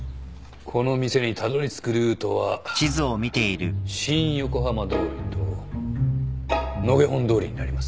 この店にたどりつくルートは新横浜通りと野毛本通りになります。